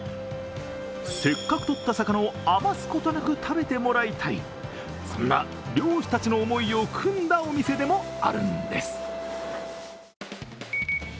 せっかくとった魚を余すことなく食べてもらいたい、そんな漁師たちの思いをくんだお店でもあるんです。